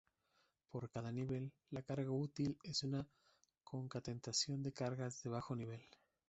Para cada nivel, la carga útil es una concatenación de cargas de bajo nivel.